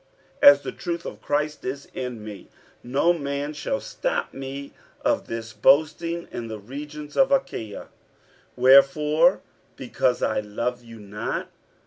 47:011:010 As the truth of Christ is in me, no man shall stop me of this boasting in the regions of Achaia. 47:011:011 Wherefore? because I love you not?